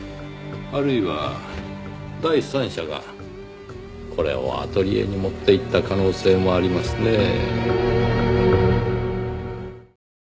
あるいは第三者がこれをアトリエに持って行った可能性もありますねぇ。